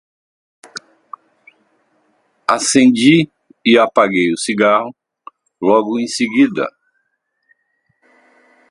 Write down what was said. acendi e apaguei o cigarro, logo em seguida